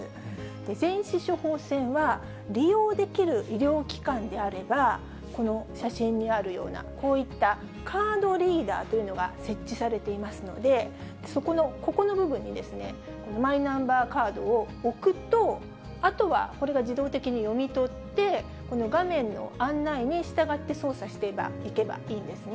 電子処方箋は、利用できる医療機関であれば、この写真にあるような、こういったカードリーダーというのが設置されていますので、そこの、ここの部分にマイナンバーカードを置くと、あとはこれが自動的に読み取って、この画面の案内に従って操作していけばいいんですね。